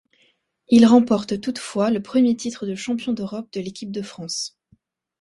Il remporte toutefois le premier titre de Champion d'Europe de l'équipe de France.